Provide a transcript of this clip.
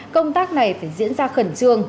công tác này phải diễn ra khẩn trương